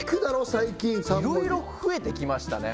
最近３文字いろいろ増えてきましたね